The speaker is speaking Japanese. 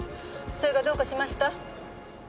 それがどうかしました？